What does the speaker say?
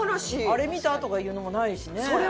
あれ見た？とかいうのもないしね。